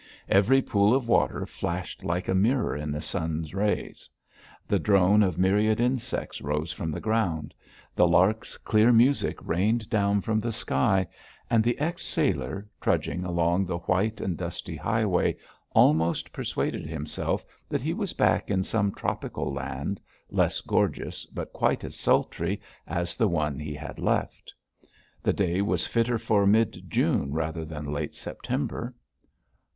Every pool of water flashed like a mirror in the sun rays; the drone of myriad insects rose from the ground; the lark's clear music rained down from the sky; and the ex sailor, trudging along the white and dusty highway, almost persuaded himself that he was back in some tropical land, less gorgeous, but quite as sultry, as the one he had left. The day was fitter for mid June rather than late September.